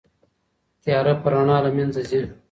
تياره په رڼا له منځه ځي.